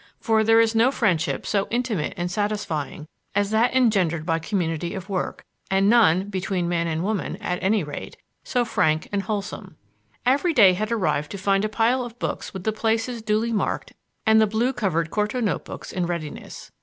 For there is no friendship so intimate and satisfying as that engendered by community of work, and none between man and woman, at any rate so frank and wholesome. Every day had arrived to find a pile of books with the places duly marked and the blue covered quarto notebooks in readiness.